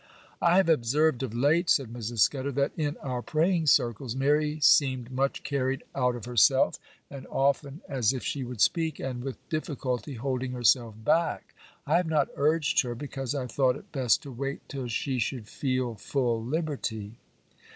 'I have observed of late,' said Mrs. Scudder, 'that in our praying circles Mary seemed much carried out of herself, and often as if she would speak, and with difficulty holding herself back. I have not urged her, because I thought it best to wait till she should feel full liberty.